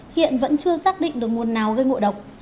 hiện vẫn chưa xác định được nguồn nào gây ngộ độc